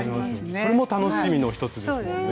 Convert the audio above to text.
それも楽しみの一つですよね。